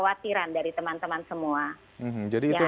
kami sudah melakukan pengumuman di rumah